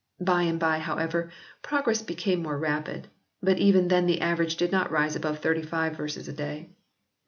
By and by, however, progress became more rapid, but even then the average did not rise above thirty five verses a day.